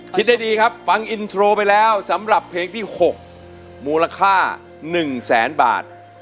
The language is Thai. คิดให้ดีครับฟังอินโทรไปแล้วสำหรับเพลงที่๖มูลค่า๑แสนบาท